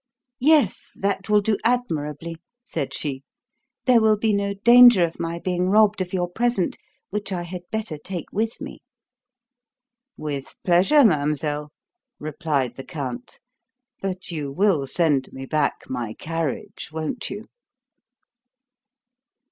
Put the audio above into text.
"Yes, that will do admirably," said she. "There will be no danger of my being robbed of your present, which I had better take with me." "With pleasure, mademoiselle," replied the count. "But you will send me back my carriage, won't you?"